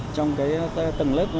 trong cái tầng lớp